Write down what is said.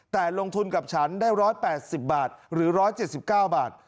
แต่ลงทุนกับฉันได้๑๘๐บาทหรือ๑๗๙บาท